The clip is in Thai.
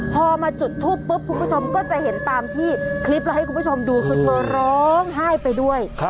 พอมาจุดทูปปุ๊บคุณผู้ชมก็จะเห็นตามที่คลิปเราให้คุณผู้ชมดูคือเธอร้องไห้ไปด้วย